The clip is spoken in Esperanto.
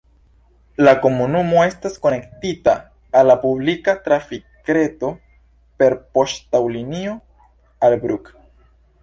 La komunumo estas konektita al la publika trafikreto per poŝtaŭtolinio al Brugg.